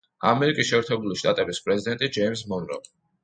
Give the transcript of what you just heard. ამერიკის შეერთებული შტატების პრეზიდენტი ჯეიმზ მონრო.